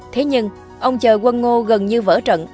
thế nhưng ông chờ quân ngô gần như vỡ trận